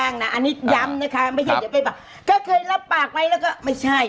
อันนี้ย้ำนะคะไม่ใช่เดี๋ยวไปบอกก็เคยรับปากไว้แล้วก็ไม่ใช่